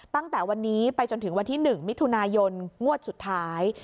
ตั้งแต่วันนี้ไปจนถึงวันที่๑มิถุนายนงวดสุดท้าย